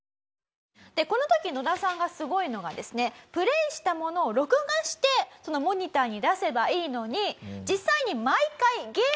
この時野田さんがすごいのがですねプレーしたものを録画してそのモニターに出せばいいのに。